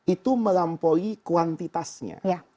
itu melampaui kuantitasnya